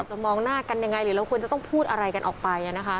มองหน้ากันยังไงหรือเราควรจะต้องพูดอะไรกันออกไป